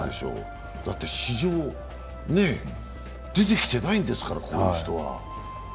史上出てきてないんですから、こういう人は。